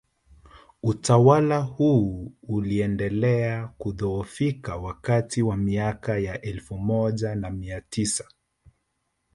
Utawala hui uliendelea kudhoofika wakati wa miaka ya elfu moja na mia tisa